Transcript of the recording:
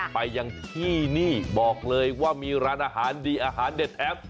ไปยังที่นี่บอกเลยว่ามีร้านอาหารดีอาหารเด็ดแถม